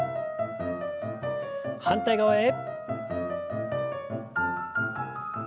反対側へ。